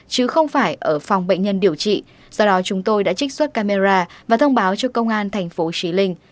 chứ không phải ở phòng bệnh nhân điều trị do đó chúng tôi đã trích xuất camera và thông báo cho công an tp chí linh